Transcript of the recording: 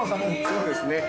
◆そうですね。